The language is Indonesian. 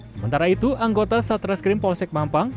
sementara itu anggota satreskrim polsek mampang